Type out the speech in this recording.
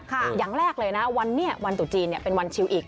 ค่ะอย่างแรกเลยนะวันเนี่ยวันตุดจีนเนี่ยเป็นวันชิลอีก